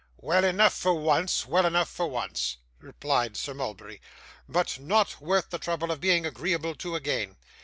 'Well enough for once, well enough for once,' replied Sir Mulberry; 'but not worth the trouble of being agreeable to again.